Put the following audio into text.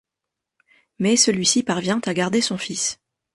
Mais celui-ci parvient à garder son fils.